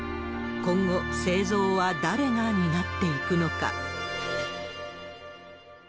今後、製造は誰が担っていくのか。